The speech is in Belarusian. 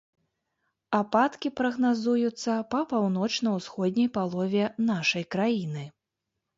Ападкі прагназуюцца па паўночна-ўсходняй палове нашай краіны.